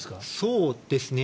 そうですね。